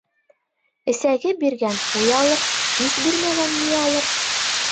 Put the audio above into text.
Эсәге биргән ҡуй алыр, һис бирмәгән ни алыр?